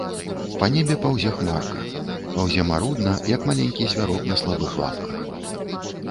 Па небе паўзе хмарка, паўзе марудна, як маленькі звярок на слабых лапках.